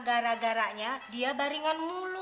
da da da da da die eleganota mulu